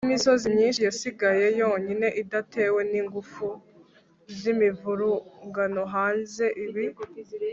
y'imisozi myinshi yasigaye yonyine, idatewe n'ingufu z'imivurungano hanze. ibi